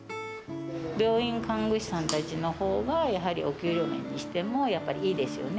病院看護師さんたちのほうが、やはりお給料面にしてもやっぱりいいですよね。